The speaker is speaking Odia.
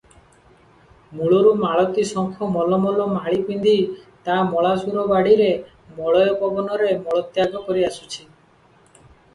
ମୂଳରୁ ମାଳତୀ ଶଙ୍ଖ ମଲ ମଲ ମାଳି ପିନ୍ଧି ତା ମଳାଶୁର ବାଡ଼ିରେ ମଳୟ ପବନରେ ମଳତ୍ୟାଗ କରିଆସୁଛି